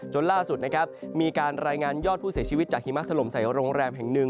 ล่าสุดนะครับมีการรายงานยอดผู้เสียชีวิตจากหิมะถล่มใส่โรงแรมแห่งหนึ่ง